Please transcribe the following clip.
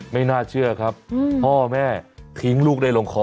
ไม่น่าเชื่อครับพ่อแม่ทิ้งลูกได้ลงคอ